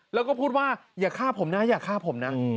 แล้วก็พูดว่าอย่าฆ่าผมนะอย่าฆ่าผมนะ